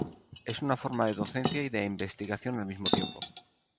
Es una forma de docencia y de investigación al mismo tiempo.